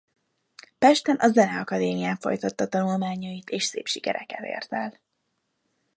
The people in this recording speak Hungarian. Pesten a Zeneakadémián folytatta tanulmányait és szép sikereket ért el.